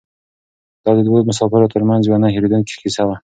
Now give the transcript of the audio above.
دا د دوو مسافرو تر منځ یوه نه هېرېدونکې کیسه وه.